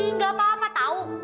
ih gak apa apa tau